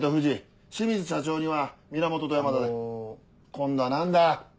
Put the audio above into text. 今度は何だ！